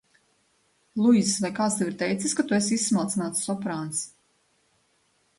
Luis, vai kāds tev ir teicis, ka tu esi izsmalcināts soprāns?